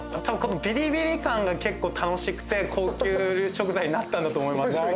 多分このビリビリ感が結構楽しくて高級食材になったんだと思います